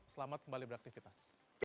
selamat kembali beraktivitas